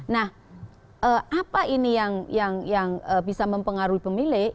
nah apa ini yang bisa mempengaruhi pemilih